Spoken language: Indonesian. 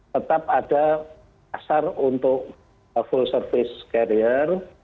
tetap ada pasar untuk full service carrier